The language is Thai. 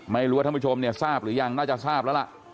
ไม่รู้ว่าท่านผู้ชมเนี่ยทราบหรือยังน่าจะทราบแล้วล่ะ